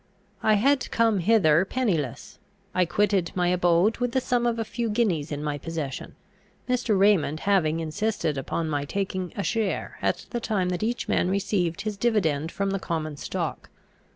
I had come hither pennyless; I quitted my abode with the sum of a few guineas in my possession, Mr. Raymond having insisted upon my taking a share at the time that each man received his dividend from the common stock.